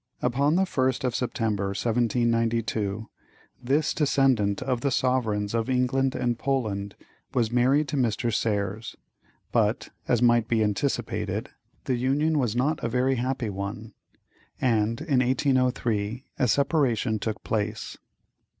Upon the 1st of September, 1792, this descendant of the sovereigns of England and Poland was married to Mr. Serres, but, as might be anticipated, the union was not a very happy one, and in 1803 a separation took place.